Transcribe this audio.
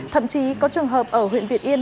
thậm chí có trường hợp ở huyện việt yên